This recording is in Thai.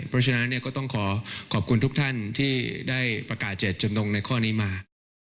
เพราะฉะนั้นก็ต้องขอขอบคุณทุกท่านที่ได้ประกาศเจตจำนงในข้อนี้มา